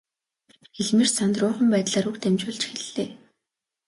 Хэлмэрч сандруухан байдлаар үг дамжуулж эхэллээ.